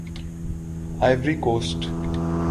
Ivory Coast